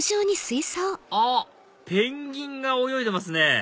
あっペンギンが泳いでますね